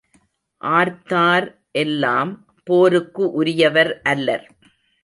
ஆர்த்தார் எல்லாம் போருக்கு உரியவர் அல்லர்.